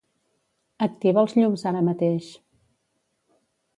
Activa els llums ara mateix.